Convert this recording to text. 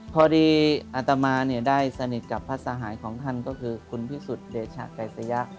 พอดีอัตมาได้สนิทกับพระสหายของท่านก็คือคุณพิสุทธิ์เดชะไกรสยะ